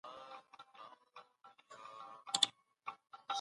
راځئ چی د خپلو پوهانو درناوی وکړو.